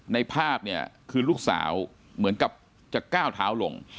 ภาพเนี่ยคือลูกสาวเหมือนกับจะก้าวเท้าลง